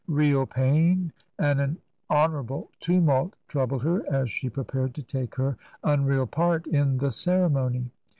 Real pain and an honourable tumult troubled her as she prepared to take her unreal part in the ceremony.